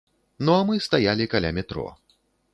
Ну а мы стаялі каля метро.